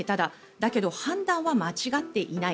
だけど判断は間違っていない。